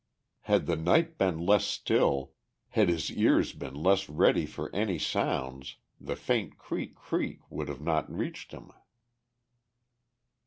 Had the night been less still, had his ears been less ready for any sound the faint creak creak would not have reached him.